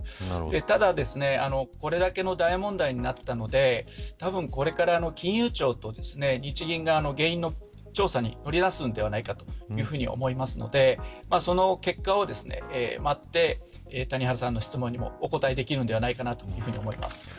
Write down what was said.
ただ、これだけの大問題になったのでたぶん、これから金融庁と日銀が原因の調査に乗り出すのではないかと思いますのでその結果を待って谷原さんの質問にもお答えできるのではないかと思います。